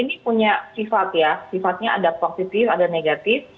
ini punya sifat ya sifatnya ada positif ada negatif